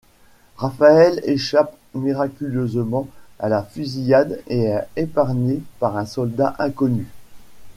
Rafael échappe miraculeusement à la fusillade et est épargné par un soldat inconnu.